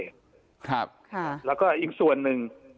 ครับค่ะแล้วก็อีกส่วนหนึ่ง